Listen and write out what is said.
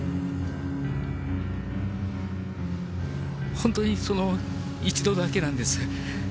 本当にその一度だけなんです。